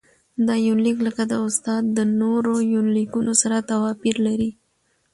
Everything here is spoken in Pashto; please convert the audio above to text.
دا يونليک لکه د استاد د نورو يونليکونو سره تواپېر لري.